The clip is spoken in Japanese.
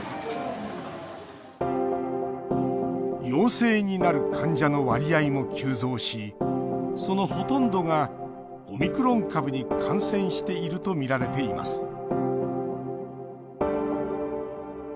陽性になる患者の割合も急増しそのほとんどがオミクロン株に感染しているとみられています